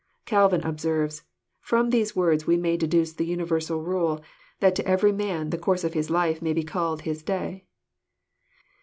Calvin observes: "From these words we may deduce the universal rule, that to every man the course of his life may be called his day."